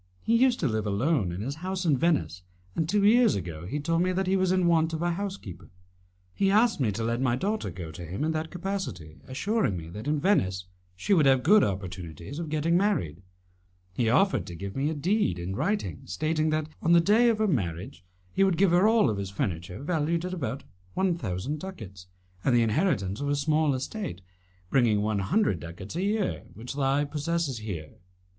He used to live alone in his house in Venice, and two years ago he told me that he was in want of a housekeeper. He asked me to let my daughter go to him in that capacity, assuring me that in Venice she would have good opportunities of getting married. He offered to give me a deed in writing stating that, on the day of her marriage, he would give her all his furniture valued at about one thousand ducats, and the inheritance of a small estate, bringing one hundred ducats a year, which he possesses here.